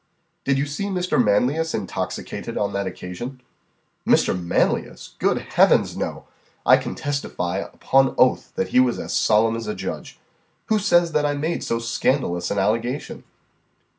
"Did you see Mr. Manlius intoxicated on that occasion?" "Mr. Manlius! Good heavens! no! I can testify, upon oath, that he was as solemn as a judge. Who says that I made so scandalous an allegation?"